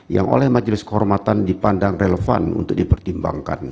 yang oleh majelis kehormatan dipandang relevan untuk dipertimbangkan